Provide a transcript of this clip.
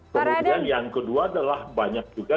kemudian yang kedua adalah banyak juga